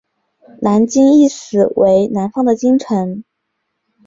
南京意思为南方的京城。